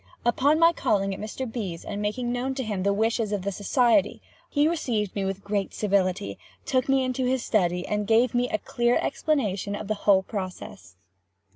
Upon my calling at Mr. B.'s, and making known to him the wishes of the society, he received me with great civility, took me into his study, and gave me a clear explanation of the whole process.